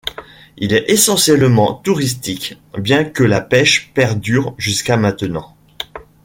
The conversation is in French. Il est essentiellement touristique bien que la pêche perdure jusqu'à maintenant.